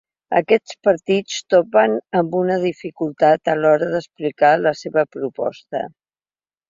Aquests partits topen amb una dificultat a l’hora d’explicar la seva proposta.